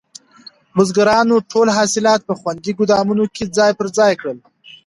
بزګرانو ټول حاصلات په خوندي ګودامونو کې ځای پر ځای کړل.